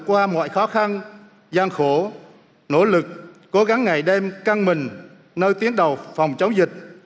qua mọi khó khăn gian khổ nỗ lực cố gắng ngày đêm căng mình nơi tiến đầu phòng chống dịch